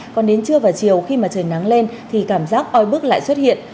còn đến trưa và chiều khi mà trời nắng lên thì cảm giác oi bức lại xuất hiện